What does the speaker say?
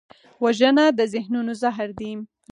وژنه د ذهنونو زهر دی